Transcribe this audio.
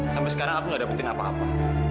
sampai sekarang aku gak dapetin apa apa